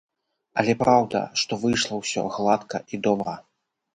Але праўда, што выйшла ўсё гладка і добра.